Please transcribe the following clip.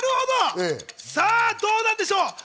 どうなんでしょう？